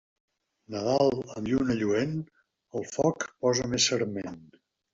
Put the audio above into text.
Nadal amb lluna lluent, al foc posa més sarment.